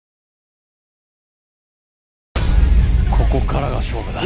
ここからが勝負だ。